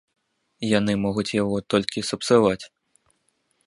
Яны могуць яго толькі сапсаваць.